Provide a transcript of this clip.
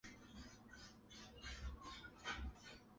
而达维特则谴责这些行动。